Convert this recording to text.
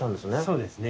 そうですね。